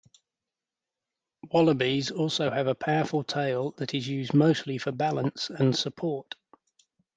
Wallabies also have a powerful tail that is used mostly for balance and support.